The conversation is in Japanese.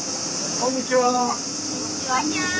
こんにちは。